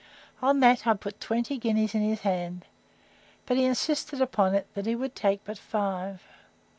On that I put twenty guineas in his hand; but he insisted upon it, that he would take but five.